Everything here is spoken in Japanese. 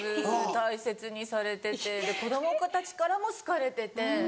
大切にされてて子供たちからも好かれてて。